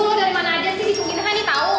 lu lo dari mana aja sih bikin kan ini tau